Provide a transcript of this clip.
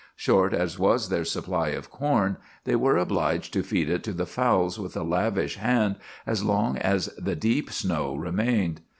Short as was their supply of corn, they were obliged to feed it to the fowls with a lavish hand as long as the deep snow remained.